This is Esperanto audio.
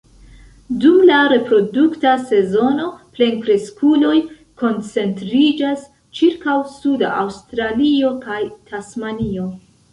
Dum la reprodukta sezono, plenkreskuloj koncentriĝas ĉirkaŭ suda Aŭstralio kaj Tasmanio.